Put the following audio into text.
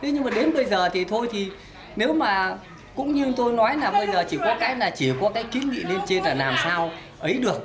nhưng mà đến bây giờ thì thôi nếu mà cũng như tôi nói là bây giờ chỉ có cái kiến nghị lên trên là làm sao ấy được